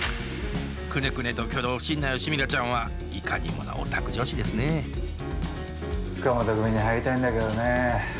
クネクネと挙動不審な吉ミラちゃんはいかにもなオタク女子ですね塚本組に入りたいんだけどねえ。